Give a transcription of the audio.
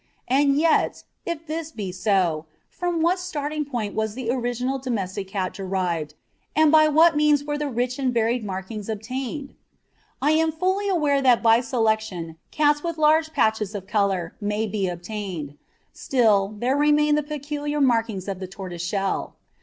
And yet, if this be so, from what starting point was the original domestic cat derived, and by what means were the rich and varied markings obtained? I am fully aware that by selection cats with large patches of colour may be obtained; still, there remain the peculiar markings of the tortoiseshell.